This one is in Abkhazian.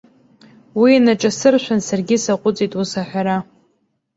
Уи инаҿасыршәын, саргьы саҟәыҵит ус аҳәара.